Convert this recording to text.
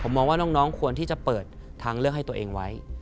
มองว่าน้องควรที่จะเปิดทางเลือกให้ตัวเองไว้